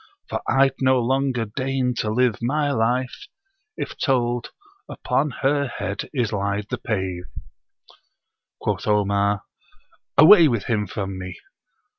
For I'd no longer deign to live my life If told, "Upon her head is laid the pave."' Quoth Omar, "Away with him from me!